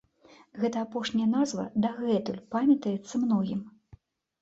Гэтая апошняя назва дагэтуль памятаецца многім.